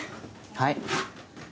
はい。